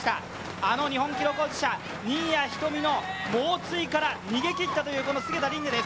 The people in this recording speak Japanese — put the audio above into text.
あの日本記録保持者、新谷仁美の猛追から逃げ切ったというこの菅田琳寧です。